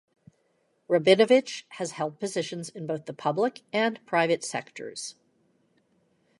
Rabinovitch has held positions in both the public and private sectors.